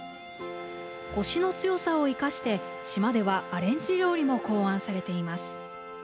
こしの強さを生かして、島ではアレンジ料理も考案されています。